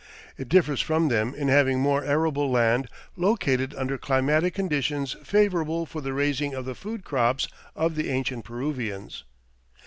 It differs from them in having more arable land located under climatic conditions favorable for the raising of the food crops of the ancient Peruvians.